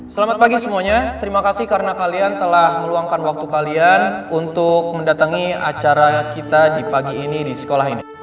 selamat pagi semuanya terima kasih karena kalian telah meluangkan waktu kalian untuk mendatangi acara kita di pagi ini di sekolah ini